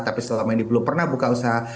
tapi selama ini belum pernah buka usaha